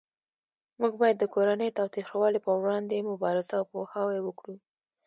موږ باید د کورنۍ تاوتریخوالی پروړاندې مبارزه او پوهاوی وکړو